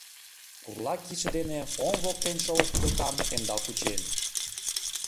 Пурла кидше дене оҥ воктен шовыч вӱдылкам темдал кучен.